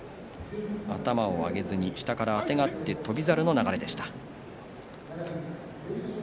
頭を上げずに下からあてがった翔猿の流れでした。